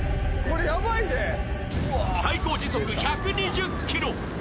最高時速１２０キロ。